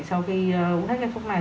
sau khi uống hết cái thuốc này